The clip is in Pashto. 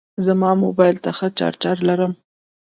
زما موبایل ته ښه چارجر لرم.